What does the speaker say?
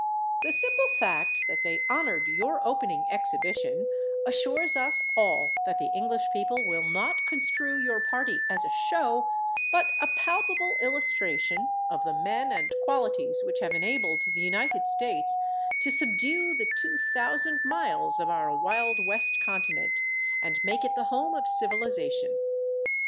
The simple fact that they honored your opening exhibition assures us all that the English people will not construe your party as a show, but a palpable illustration of the men and qualities which have enabled the United States to subdue the 2,000 miles of our wild West continent, and make it the home of civilization.